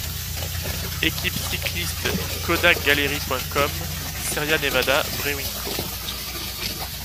Équipe cycliste Kodakgallery.com-Sierra Nevada Brewing Co.